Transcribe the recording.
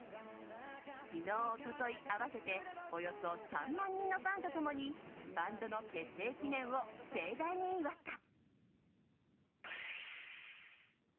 昨日、一昨日合わせておよそ３万人のファンと共にバンドの結成記念を盛大に祝った。